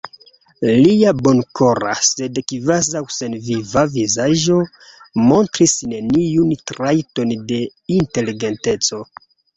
Lia bonkora, sed kvazaŭ senviva vizaĝo montris neniun trajton de inteligenteco.